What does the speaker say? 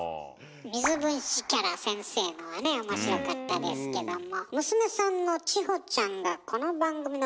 水分子キャラ先生のはね面白かったですけども。